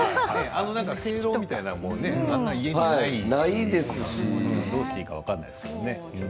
あんなせいろみたいなもの家にないですし、どうしていいか分からないですし。